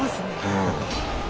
うん。